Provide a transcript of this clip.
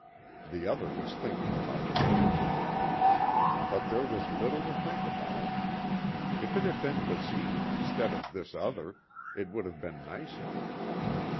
The other was thinking about things. But there was little to think about. If it had been Basine instead of this other, it would have been nicer.